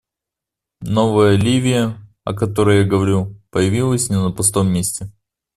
Новая Ливия, о которой я говорю, появилась не на пустом месте.